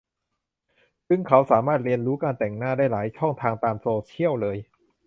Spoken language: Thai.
ซึ่งเราสามารถเรียนรู้การแต่งหน้าได้หลายช่องทางตามโซเชียลเลย